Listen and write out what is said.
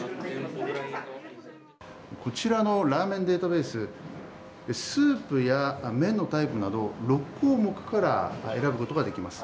こちらのラーメンデータベーススープや麺のタイプなど６項目から選ぶことができます。